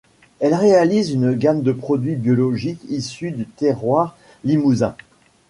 Elle réalise une gamme de produits biologiques issus du terroir limousin.